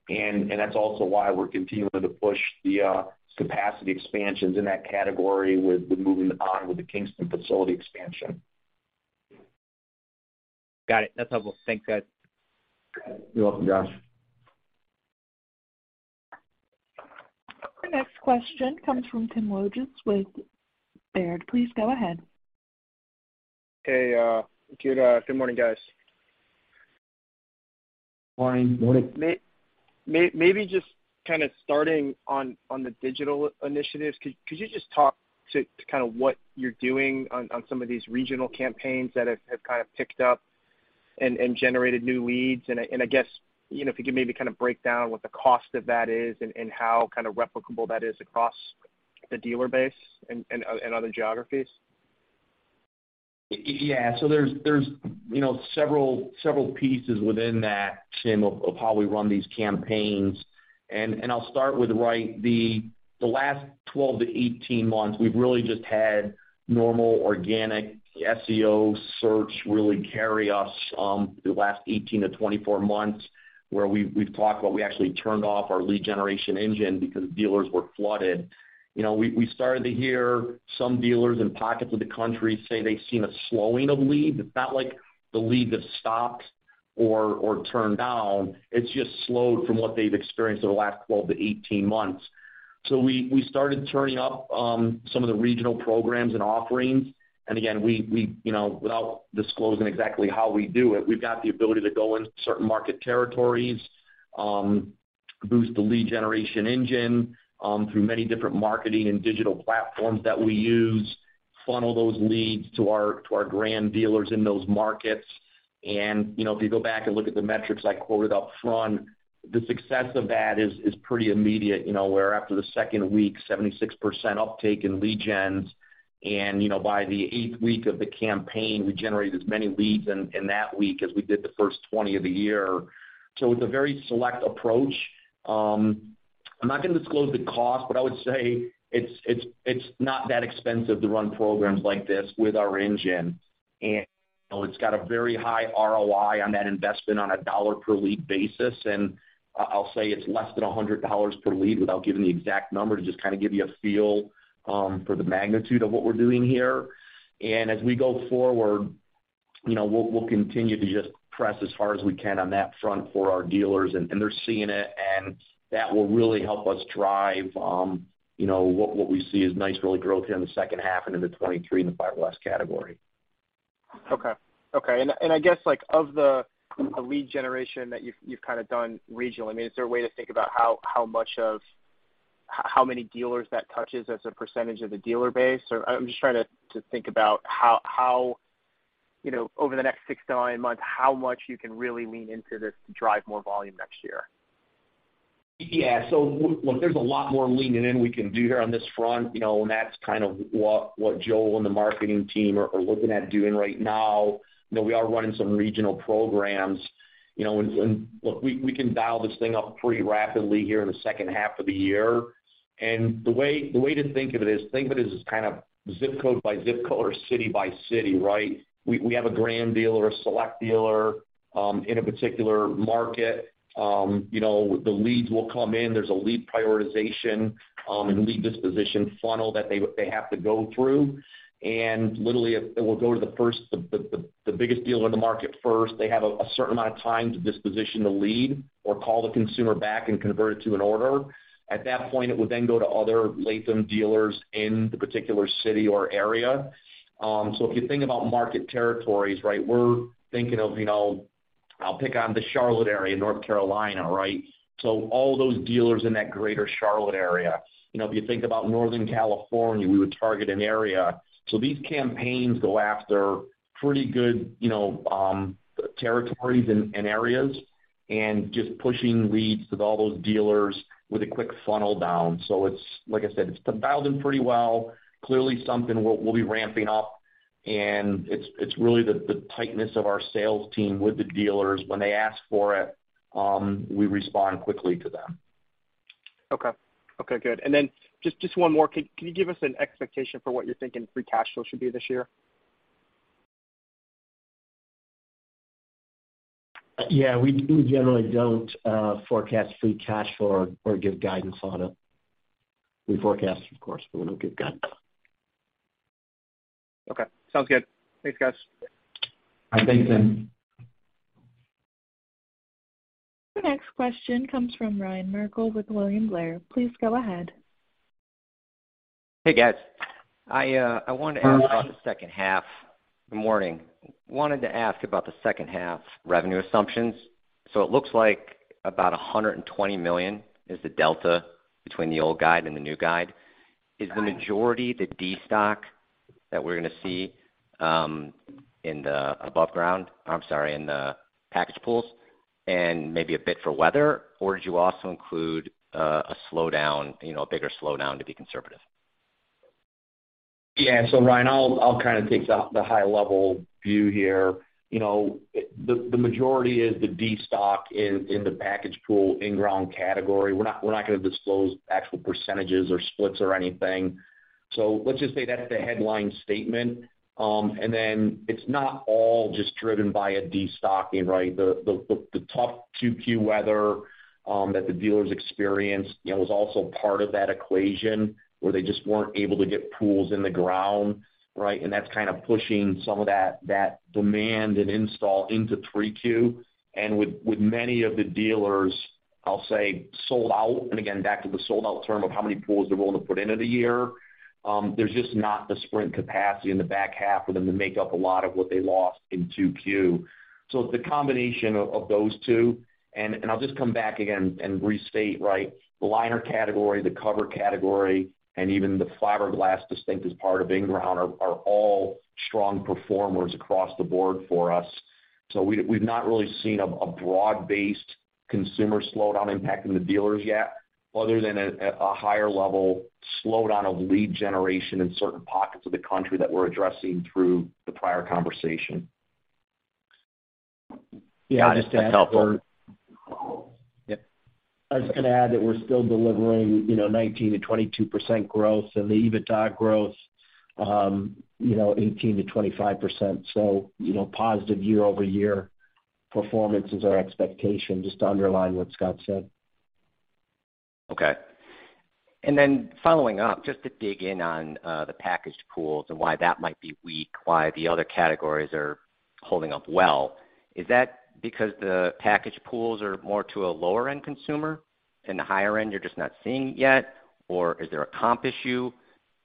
and that's also why we're continuing to push the capacity expansions in that category with moving on with the Kingston facility expansion. Got it. That's helpful. Thanks, guys. You're welcome, Josh. The next question comes from Timothy Wojs with Baird. Please go ahead. Hey, good morning, guys. Morning. Maybe just starting on the digital initiatives. Could you just talk about what you're doing on some of these regional campaigns that have picked up and generated new leads? I guess, you know, if you could maybe break down what the cost of that is and how replicable that is across the dealer base and other geographies. Yeah. There's you know several pieces within that, Tim, of how we run these campaigns. I'll start with right the last 12-18 months, we've really just had normal organic SEO search really carry us the last 18-24 months, where we've talked about we actually turned off our lead generation engine because dealers were flooded. You know we started to hear some dealers in pockets of the country say they've seen a slowing of leads. It's not like the lead has stopped or turned down. It's just slowed from what they've experienced over the last 12-18 months. We started turning up some of the regional programs and offerings. Again, we, you know, without disclosing exactly how we do it, we've got the ability to go into certain market territories, boost the lead generation engine, through many different marketing and digital platforms that we use, funnel those leads to our grand dealers in those markets. You know, if you go back and look at the metrics I quoted up front, the success of that is pretty immediate. You know, where after the second week, 76% uptake in lead gens. You know, by the eighth week of the campaign, we generated as many leads in that week as we did the first 20 of the year. It's a very select approach. I'm not going to disclose the cost, but I would say it's not that expensive to run programs like this with our engine. You know, it's got a very high ROI on that investment on a dollar per lead basis. I’ll say it’s less than $100 per lead without giving the exact number to just give you a feel for the magnitude of what we’re doing here. As we go forward, you know, we’ll continue to just press as hard as we can on that front for our dealers, and they’re seeing it, and that will really help us drive what we see as nice real growth here in the H2 and into 2023 in the fiberglass category. Okay. I guess, like, of the lead generation that you've done regionally, I mean, is there a way to think about how many dealers that touches as a percentage of the dealer base? Or I'm just trying to think about how, you know, over the next 6-9 months, how much you can really lean into this to drive more volume next year. Yeah. Look, there's a lot more leaning in we can do here on this front, you know, and that's what Joel and the marketing team are looking at doing right now. You know, we are running some regional programs, you know, and look, we can dial this thing up pretty rapidly here in the H2 of the year. The way to think of it is, think of it as ZIP code by ZIP code or city by city, right? We have a grand dealer or a select dealer in a particular market. You know, the leads will come in. There's a lead prioritization and lead disposition funnel that they have to go through. Literally, it will go to the first, the biggest dealer in the market first. They have a certain amount of time to disposition the lead or call the consumer back and convert it to an order. At that point, it would then go to other Latham dealers in the particular city or area. If you think about market territories, right, we're thinking of, you know, I'll pick one the Charlotte area, North Carolina, right? All those dealers in that greater Charlotte area. You know, if you think about Northern California, we would target an area. These campaigns go after pretty good, you know, territories and areas and just pushing leads to all those dealers with a quick funnel down. It's, like I said, it's been dialed in pretty well. Clearly something we'll be ramping up, and it's really the tightness of our sales team with the dealers when they ask for it. We respond quickly to them. Okay. Good. Just one more. Can you give us an expectation for what you're thinking free cash flow should be this year? Yeah. We generally don't forecast free cash flow or give guidance on it. We forecast, of course, but we don't give guidance. Okay, sounds good. Thanks, guys. All right, thank you. The next question comes from Ryan Merkel with William Blair. Please go ahead. Hey, guys. I wanted to ask about the H2. Good morning. Wanted to ask about the H2 revenue assumptions. It looks like about $120 million is the delta between the old guide and the new guide. Is the majority the destock that we're going to see in the packaged pools and maybe a bit for weather? Or did you also include a slowdown, you know, a bigger slowdown to be conservative? Yeah. Ryan, I'll take the high level view here. You know, the majority is the destock in the packaged pool in-ground category. We're not going to disclose actual percentages or splits or anything. Let's just say that's the headline statement. Then it's not all just driven by a destocking, right? The tough Q2 weather that the dealers experienced, you know, was also part of that equation where they just weren't able to get pools in the ground, right? That's pushing some of that demand and install into Q3. With many of the dealers, I'll say, sold out, and again back to the sold out term of how many pools they're willing to put in of the year, there's just not the sprint capacity in the back half for them to make up a lot of what they lost in Q2. The combination of those two, and I'll just come back again and restate, right? The liner category, the cover category, and even the fiberglass distinct as part of in-ground are all strong performers across the board for us. We've not really seen a broad-based consumer slowdown impacting the dealers yet, other than a higher level slowdown of lead generation in certain pockets of the country that we're addressing through the prior conversation. Got it. That's helpful. Yeah. I was going to add that we're still delivering, you know, 19%-22% growth and the EBITDA growth, you know, 18%-25%. You know, positive year-over-year performance is our expectation, just to underline what Scott said. Okay. Following up, just to dig in on the packaged pools and why that might be weak, why the other categories are holding up well. Is that because the packaged pools are more to a lower end consumer? In the higher end, you're just not seeing it yet? Or is there a comp issue?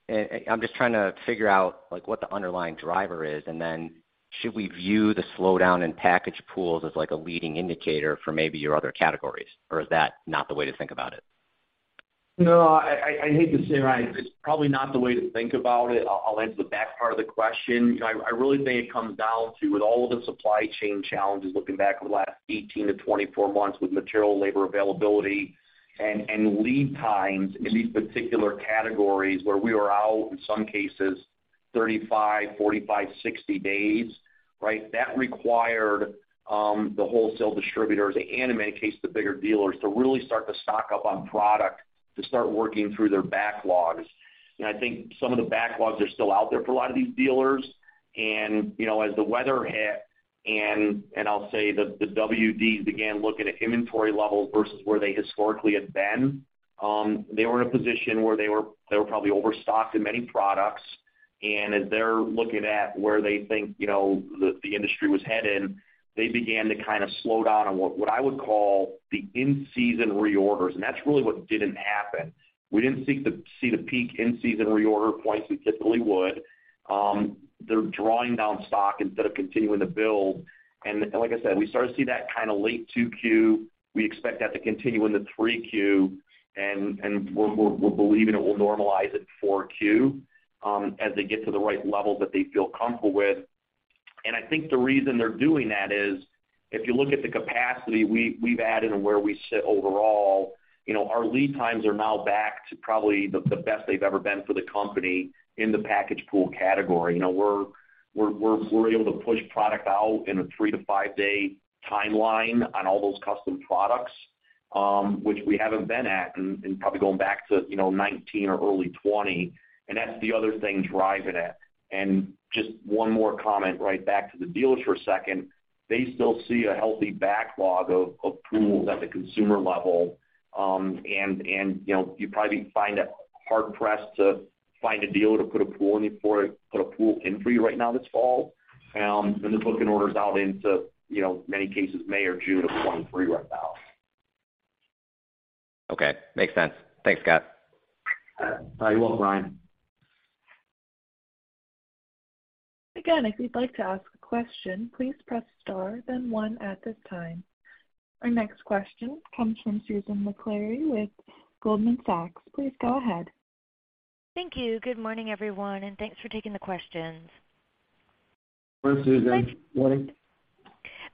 I'm just trying to figure out like what the underlying driver is, and then should we view the slowdown in packaged pools as like a leading indicator for maybe your other categories, or is that not the way to think about it? No, I hate to say, Ryan, it's probably not the way to think about it. I'll answer the back part of the question. You know, I really think it comes down to, with all of the supply chain challenges, looking back over the last 18-24 months with material labor availability and lead times in these particular categories where we were out, in some cases, 35, 45, 60 days, right? That required the wholesale distributors and in many cases the bigger dealers to really start to stock up on product to start working through their backlogs. I think some of the backlogs are still out there for a lot of these dealers. You know, as the weather hit and I'll say the WDs began looking at inventory levels versus where they historically had been, they were in a position where they were probably overstocked in many products. As they're looking at where they think, you know, the industry was heading, they began to slow down on what I would call the in-season reorders, and that's really what didn't happen. We didn't see the peak in-season reorder quite as it typically would. They're drawing down stock instead of continuing to build. Like I said, we started to see that late Q2. We expect that to continue into Q3, and we're believing it will normalize at Q4, as they get to the right level that they feel comfortable with. I think the reason they're doing that is, if you look at the capacity we've added and where we sit overall, you know, our lead times are now back to probably the best they've ever been for the company in the packaged pool category. You know, we're able to push product out in a 3-5-day timeline on all those custom products, which we haven't been at in probably going back to, you know, 2019 or early 2020, and that's the other thing driving it. Just one more comment right back to the dealers for a second. They still see a healthy backlog of pools at the consumer level. You know, you'd probably find it hard-pressed to find a dealer to put a pool in for you right now this fall. They're booking orders out into, you know, many cases May or June of 2023 right now. Okay. Makes sense. Thanks, Scott. You're welcome, Ryan. Again, if you'd like to ask a question, please press star then one at this time. Our next question comes from Susan Maklari with Goldman Sachs. Please go ahead. Thank you. Good morning, everyone, and thanks for taking the questions. Go ahead, Susan. Good morning.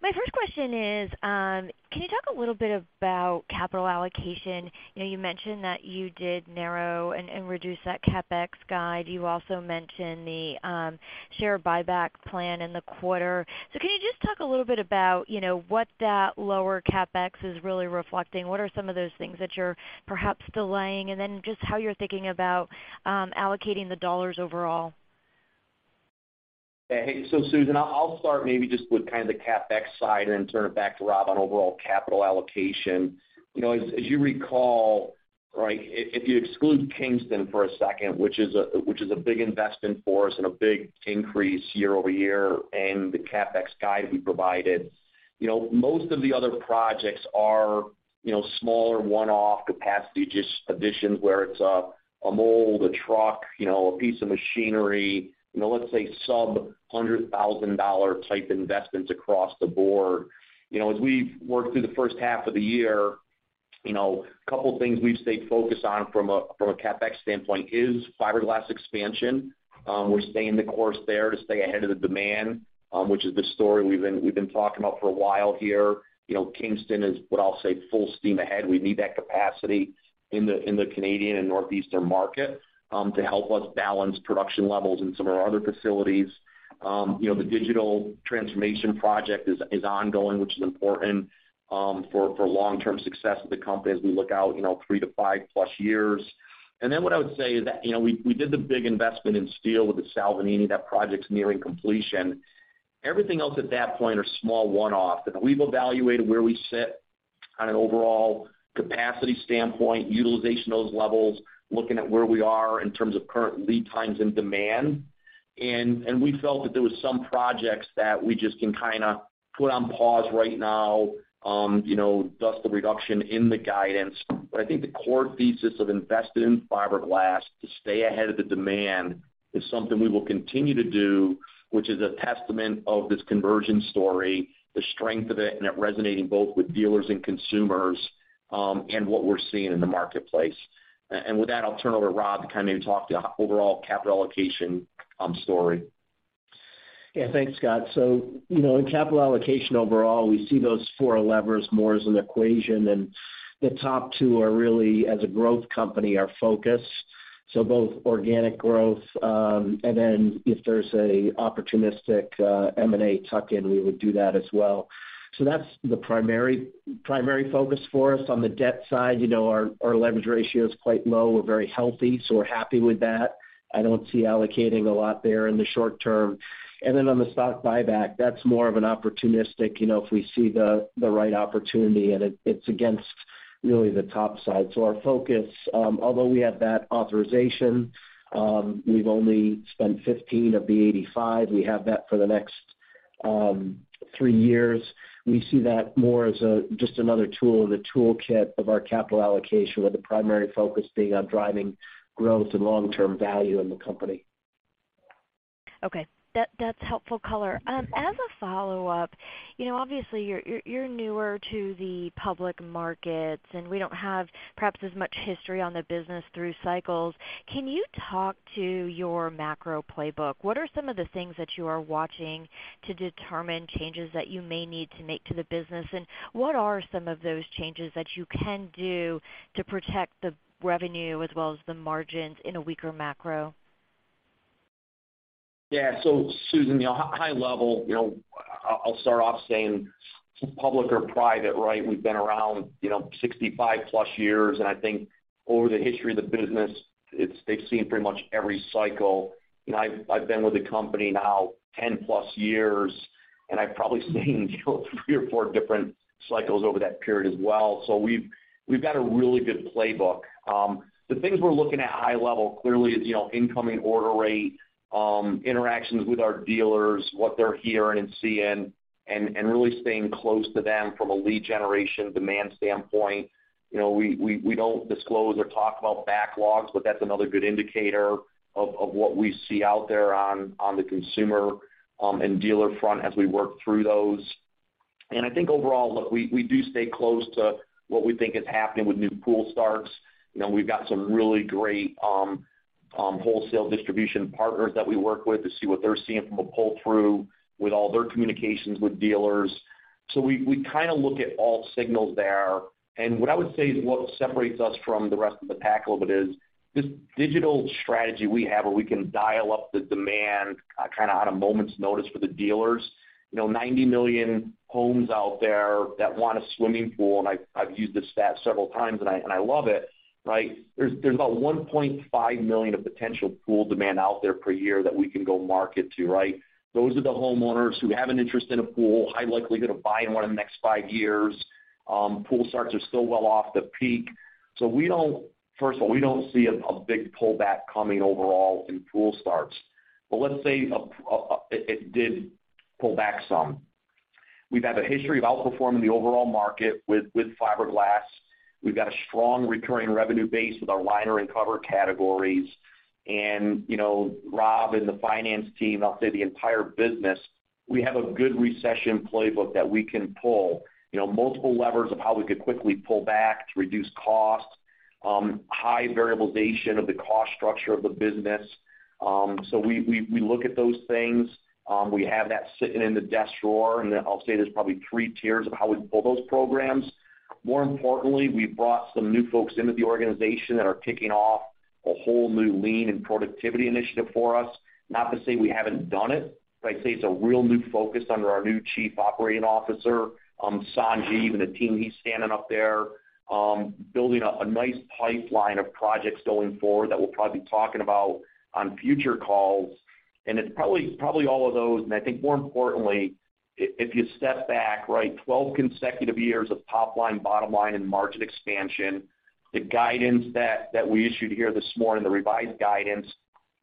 My first question is, can you talk a little bit about capital allocation? You know, you mentioned that you did narrow and reduce that CapEx guide. You also mentioned the share buyback plan in the quarter. Can you just talk a little bit about, you know, what that lower CapEx is really reflecting? What are some of those things that you're perhaps delaying, and then just how you're thinking about allocating the dollars overall? Hey, Susan, I'll start maybe just with the CapEx side and turn it back to Rob on overall capital allocation. You know, as you recall, right, if you exclude Kingston for a second, which is a big investment for us and a big increase year-over-year in the CapEx guide we provided, you know, most of the other projects are, you know, smaller one-off capacity just additions where it's a mold, a truck, you know, a piece of machinery. You know, let's say sub-$100,000 type investments across the board. You know, as we've worked through the H1 of the year, you know, couple things we've stayed focused on from a CapEx standpoint is fiberglass expansion. We're staying the course there to stay ahead of the demand, which is the story we've been talking about for a while here. You know, Kingston is, what I'll say, full steam ahead. We need that capacity in the Canadian and Northeastern market to help us balance production levels in some of our other facilities. You know, the digital transformation project is ongoing, which is important for long-term success of the company as we look out, you know, 3-5+ years. What I would say is that, you know, we did the big investment in steel with the Salvagnini. That project's nearing completion. Everything else at that point are small one-off. That we've evaluated where we sit on an overall capacity standpoint, utilization of those levels, looking at where we are in terms of current lead times and demand. We felt that there was some projects that we just can put on pause right now, you know, thus the reduction in the guidance. I think the core thesis of investing in fiberglass to stay ahead of the demand is something we will continue to do, which is a testament of this conversion story, the strength of it, and it resonating both with dealers and consumers, and what we're seeing in the marketplace. With that, I'll turn over to Robert Masson to come in and talk the overall capital allocation story. Yeah. Thanks, Scott. You know, in capital allocation overall, we see those four levers more as an equation, and the top two are really, as a growth company, our focus. Both organic growth, and then if there's an opportunistic M&A tuck-in, we would do that as well. That's the primary focus for us. On the debt side, you know, our leverage ratio is quite low. We're very healthy, so we're happy with that. I don't see allocating a lot there in the short term. On the stock buyback, that's more of an opportunistic, you know, if we see the right opportunity, and it's against really the top side. Our focus, although we have that authorization, we've only spent $15 of the $85. We have that for the next 3 years. We see that more as just another tool in the toolkit of our capital allocation, with the primary focus being on driving growth and long-term value in the company. Okay. That's helpful color. As a follow-up, you know, obviously you're newer to the public markets, and we don't have perhaps as much history on the business through cycles. Can you talk to your macro playbook? What are some of the things that you are watching to determine changes that you may need to make to the business? What are some of those changes that you can do to protect the revenue as well as the margins in a weaker macro? Yeah. Susan, you know, high level, you know, I'll start off saying public or private, right? We've been around, you know, 65+ years, and I think over the history of the business, they've seen pretty much every cycle. You know, I've been with the company now 10+ years, and I've probably seen, you know, 3 or 4 different cycles over that period as well. We've got a really good playbook. The things we're looking at high level clearly is, you know, incoming order rate, interactions with our dealers, what they're hearing and seeing, and really staying close to them from a lead generation demand standpoint. You know, we don't disclose or talk about backlogs, but that's another good indicator of what we see out there on the consumer and dealer front as we work through those. I think overall, look, we do stay close to what we think is happening with new pool starts. You know, we've got some really great wholesale distribution partners that we work with to see what they're seeing from a pull-through with all their communications with dealers. We look at all signals there. What I would say is what separates us from the rest of the pack a little bit is this digital strategy we have where we can dial up the demand on a moment's notice for the dealers. You know, 90 million homes out there that want a swimming pool, and I've used this stat several times, and I love it, right? There's about 1.5 million of potential pool demand out there per year that we can go market to, right? Those are the homeowners who have an interest in a pool, high likelihood of buying one in the next 5 years. Pool starts are still well off the peak. First of all, we don't see a big pullback coming overall in pool starts. Let's say it did pull back some. We've had a history of outperforming the overall market with fiberglass. We've got a strong recurring revenue base with our liner and cover categories. You know, Rob and the finance team, I'll say the entire business, we have a good recession playbook that we can pull. You know, multiple levers of how we could quickly pull back to reduce costs. High variabilization of the cost structure of the business. We look at those things. We have that sitting in the desk drawer, and I'll say there's probably three tiers of how we pull those programs. More importantly, we've brought some new folks into the organization that are kicking off a whole new lean and productivity initiative for us. Not to say we haven't done it, but I'd say it's a real new focus under our new chief operating officer, Sanjeev, and the team he's standing up there, building up a nice pipeline of projects going forward that we'll probably be talking about on future calls. It's probably all of those. I think more importantly, if you step back, right, 12 consecutive years of top line, bottom line and margin expansion, the guidance that we issued here this morning, the revised guidance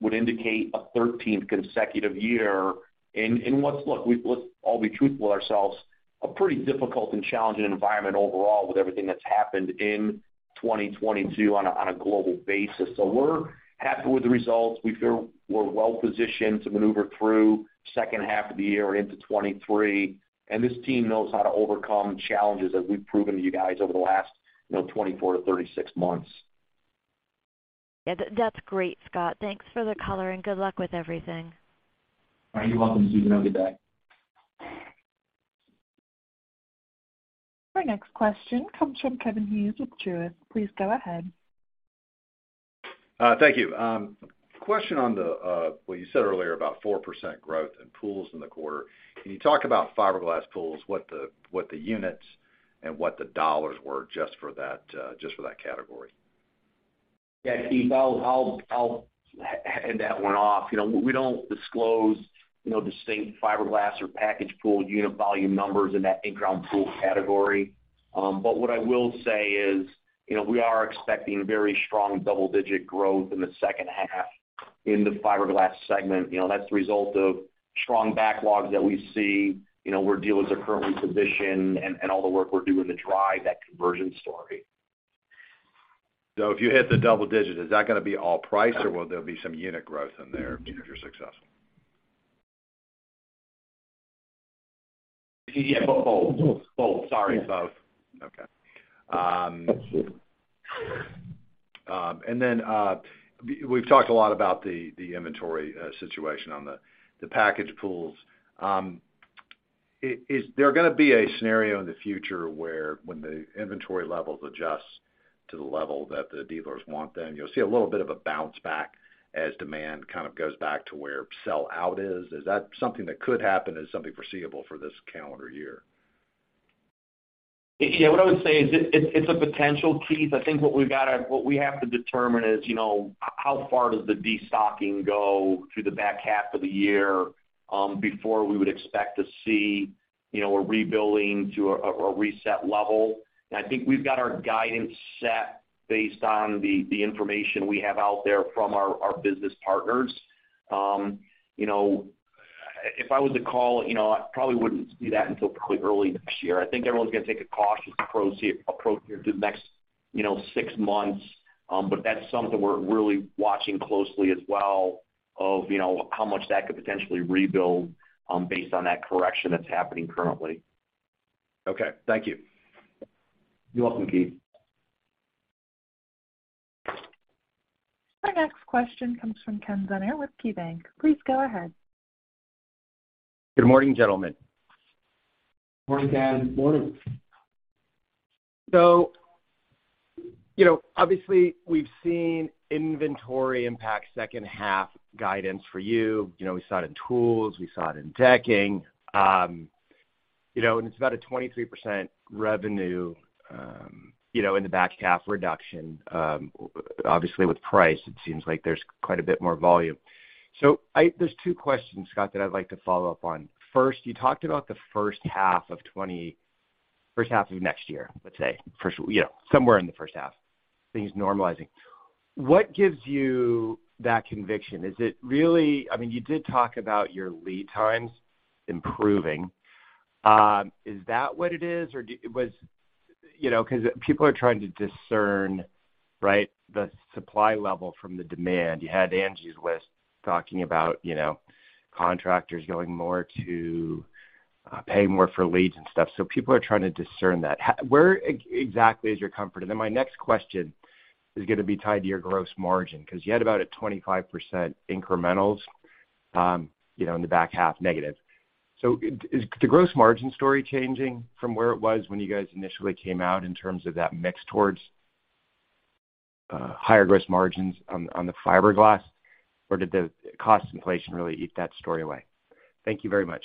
would indicate a 13th consecutive year in what's, let's all be truthful with ourselves, a pretty difficult and challenging environment overall with everything that's happened in 2022 on a global basis. We're happy with the results. We feel we're well positioned to maneuver through H2 of the year and into 2023, and this team knows how to overcome challenges, as we've proven to you guys over the last, you know, 24-36 months. Yeah, that's great, Scott. Thanks for the color, and good luck with everything. You're welcome, Susan. Have a good day. Our next question comes from Keith Hughes with Truist. Please go ahead. Thank you. Question on what you said earlier about 4% growth in pools in the quarter. Can you talk about fiberglass pools, what the units and what the dollars were just for that category? Yeah, Keith, I'll hand that one off. You know, we don't disclose, you know, distinct fiberglass or packaged pool unit volume numbers in that in-ground pool category. What I will say is, you know, we are expecting very strong double-digit growth in the H2 in the fiberglass segment. You know, that's the result of strong backlogs that we see, you know, where dealers are currently positioned and all the work we're doing to drive that conversion story. If you hit the double digit, is that going to be all price, or will there be some unit growth in there if you're successful? Yeah, both. Sorry, both. Okay. We've talked a lot about the inventory situation on the packaged pools. Is there going to be a scenario in the future where when the inventory levels adjust to the level that the dealers want, then you'll see a little bit of a bounce back as demand goes back to where sell out is? Is that something that could happen as something foreseeable for this calendar year? Yeah, what I would say is it's a potential, Keith. I think what we have to determine is, you know, how far does the destocking go through the back half of the year, before we would expect to see, you know, a rebuilding to a reset level. I think we've got our guidance set based on the information we have out there from our business partners. You know, if I was to call, you know, I probably wouldn't see that until probably early next year. I think everyone's going to take a cautious approach here through the next, you know, six months. That's something we're really watching closely as well of, you know, how much that could potentially rebuild, based on that correction that's happening currently. Okay. Thank you. You're welcome, Keith. Our next question comes from Ken Zener with KeyBank. Please go ahead. Good morning, gentlemen. Morning, Ken. Morning. You know, obviously we've seen inventory impact H2 guidance for you. You know, we saw it in tools, we saw it in decking. You know, and it's about a 23% revenue, you know, in the back half reduction. Obviously with price, it seems like there's quite a bit more volume. There's two questions, Scott, that I'd like to follow up on. First, you talked about the H1 of next year, let's say. First, you know, somewhere in the H1, things normalizing. What gives you that conviction? Is it really? I mean, you did talk about your lead times improving. Is that what it is? Or was? You know, 'cause people are trying to discern, right, the supply level from the demand. You had Angie's List talking about, you know, contractors going more to paying more for leads and stuff, so people are trying to discern that. Where exactly is your comfort? Then my next question is going to be tied to your gross margin, 'cause you had about a 25% incrementals, you know, in the back half negative. Is the gross margin story changing from where it was when you guys initially came out in terms of that mix towards higher gross margins on the fiberglass, or did the cost inflation really eat that story away? Thank you very much.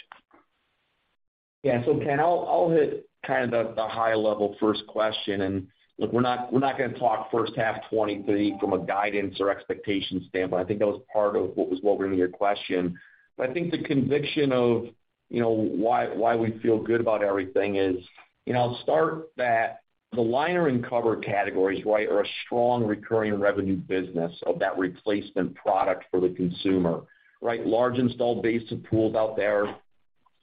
Yeah. Ken, I'll hit the high level first question, we're not going to talk H1 2023 from a guidance or expectation standpoint. I think that was part of what was woven in your question. I think the conviction of, you know, why we feel good about everything is, you know, I'll start that the liner and cover categories, right, are a strong recurring revenue business of that replacement product for the consumer, right? Large installed base of pools out there.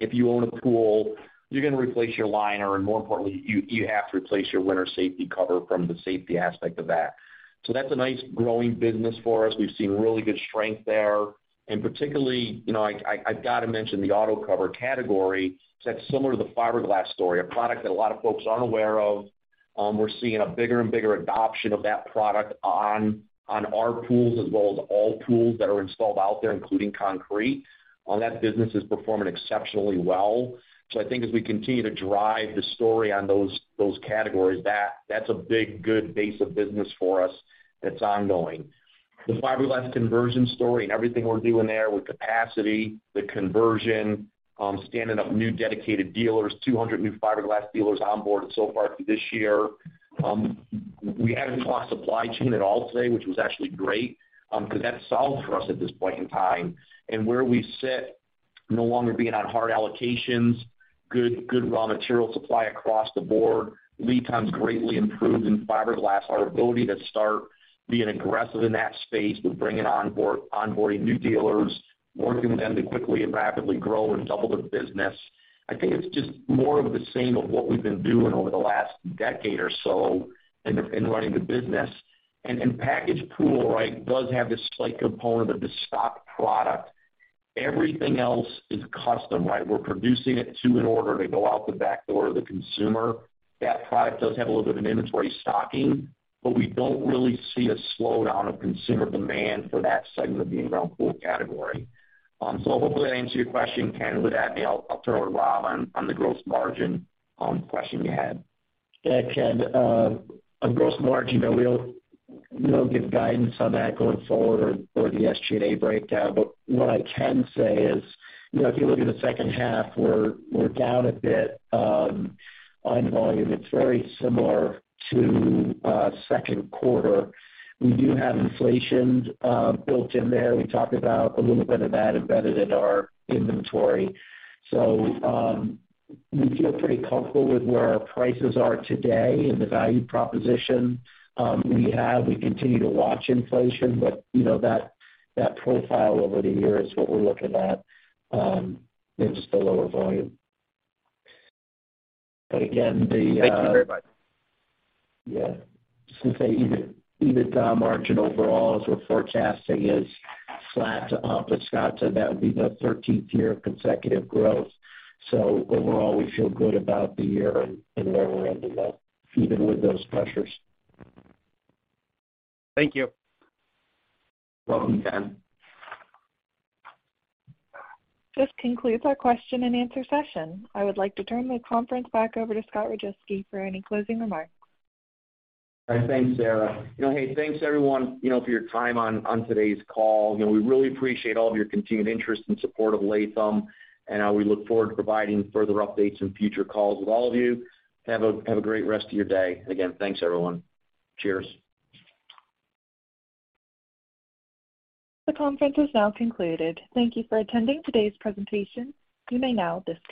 If you own a pool, you're going to replace your liner and more importantly, you have to replace your winter safety cover from the safety aspect of that. That's a nice growing business for us. We've seen really good strength there, and particularly, you know, I've gotta mention the auto cover category that's similar to the fiberglass story, a product that a lot of folks aren't aware of, we're seeing a bigger and bigger adoption of that product on our pools as well as all pools that are installed out there, including concrete. That business is performing exceptionally well. I think as we continue to drive the story on those categories, that's a big, good base of business for us that's ongoing. The fiberglass conversion story and everything we're doing there with capacity, the conversion, standing up new dedicated dealers, 200 new fiberglass dealers onboarded so far for this year. We haven't talked supply chain at all today, which was actually great, because that's solved for us at this point in time. Where we sit no longer being on hard allocations, good raw material supply across the board, lead times greatly improved in fiberglass. Our ability to start being aggressive in that space. We're onboarding new dealers, working with them to quickly and rapidly grow and double their business. I think it's just more of the same of what we've been doing over the last decade or so in running the business. Packaged pool, right, does have this slight component of the stock product. Everything else is custom, right? We're producing it to an order to go out the back door to the consumer. That product does have a little bit of an inventory stocking, but we don't really see a slowdown of consumer demand for that segment of the in-ground pool category. So hopefully that answers your question, Ken. With that, maybe I'll turn over to Rob on the gross margin question you had. Yeah, Ken. On gross margin, you know, we don't give guidance on that going forward or the SG&A breakdown. What I can say is, you know, if you look at the H2, we're down a bit on volume. It's very similar to Q2. We do have inflation built in there. We talked about a little bit of that embedded in our inventory. We feel pretty comfortable with where our prices are today and the value proposition we have. We continue to watch inflation, but you know, that profile over the year is what we're looking at, maybe just a lower volume. Again, the Thank you very much. Yeah. Just to say EBITDA margin overall, as we're forecasting, is flat to up. As Scott said, that would be the thirteenth year of consecutive growth. Overall, we feel good about the year and where we're ending up, even with those pressures. Thank you. Welcome, Ken. This concludes our question and answer session. I would like to turn the conference back over to Scott Rajeski for any closing remarks. All right. Thanks, Sarah. You know, hey, thanks, everyone, you know, for your time on today's call. You know, we really appreciate all of your continued interest and support of Latham, and we look forward to providing further updates in future calls with all of you. Have a great rest of your day. Again, thanks, everyone. Cheers. The conference is now concluded. Thank you for attending today's presentation. You may now disconnect.